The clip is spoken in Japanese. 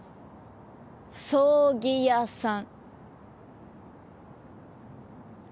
葬儀屋さん。